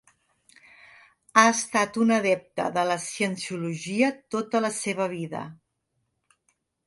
Ha estat un adepte de la Cienciologia tota la seva vida.